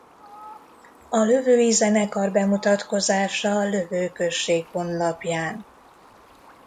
A Lövői zenekar bemutatkozása Lövő község honlapján